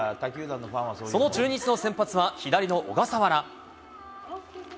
その中日の先発は、左の小笠原。